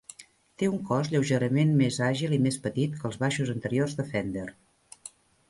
Té un cos lleugerament més àgil i més petit que els baixos anteriors de Fender.